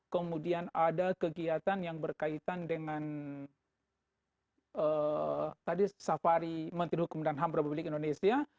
kemudian ada kegiatan yang berkaitan dengan tadi safari menteri hukum dan ham republik indonesia